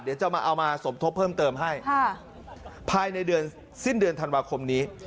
เดี๋ยวจะมาเอามาสมทบเพิ่มเติมให้ภายในเดือนสิ้นเดือนธันวาคมนี้